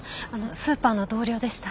スーパーの同僚でした。